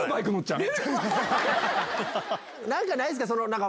何かないんすか？